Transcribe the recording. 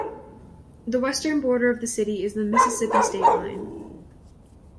The western border of the city is the Mississippi state line.